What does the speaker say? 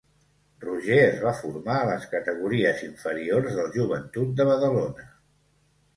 Roger es va formar a les categories inferiors del Joventut de Badalona.